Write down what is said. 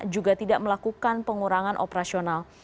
juga tidak melakukan pengurangan operasional